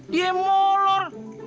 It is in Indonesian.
dia yang molor